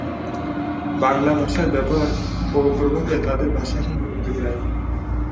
বাংলা ভাষার ব্যবহার ও প্রভাবে তাদের ভাষা এখন বিলুপ্তপ্রায়।